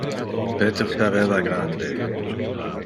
Peter pareva grande.